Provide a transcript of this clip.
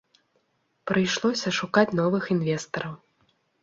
Прыйшлося шукаць новых інвестараў.